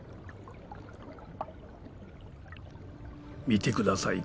見てください